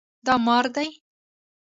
دا مار دی